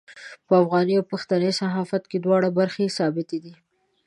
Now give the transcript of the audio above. په افغاني او پښتني صحافت کې دواړه برخې ثابتې دي.